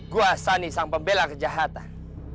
gua sani sang pembela kejahatan